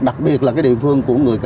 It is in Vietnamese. đặc biệt là địa phương của người